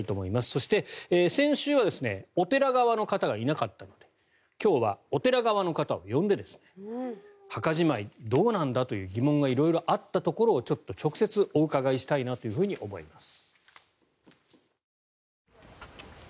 そして、先週はお寺側の方がいなかったので今日はお寺側の方を呼んで墓じまいどうなんだという疑問が色々あったところを直接お伺いしたいと思います。